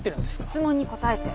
質問に答えて。